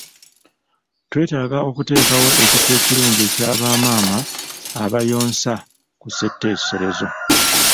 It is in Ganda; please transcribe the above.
twetaaga okuteekawo ekifo ekirungi ekya bamaama abayonsa ku ssetteeserezo.